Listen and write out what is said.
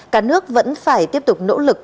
cả nước vẫn phải tiếp tục nỗ lực